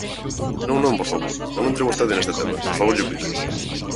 Non, non, por favor, non entre vostede neste tema, por favor llo pido.